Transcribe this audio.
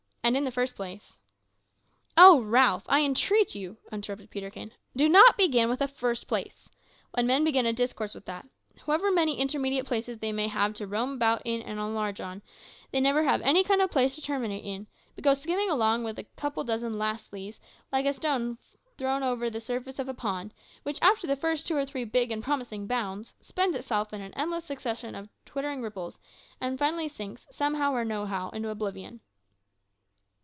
"And in the first place " "O Ralph, I entreat you," interrupted Peterkin, "do not begin with a `_first place_.' When men begin a discourse with that, however many intermediate places they may have to roam about in and enlarge on, they never have a place of any kind to terminate in, but go skimming along with a couple of dozen `lastlies,' like a stone thrown over the surface of a pond, which, after the first two or three big and promising bounds, spends itself in an endless succession of twittering ripples, and finally sinks, somehow or nohow, into oblivion."